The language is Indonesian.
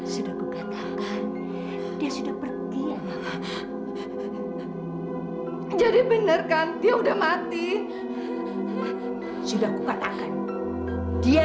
sampai jumpa di video selanjutnya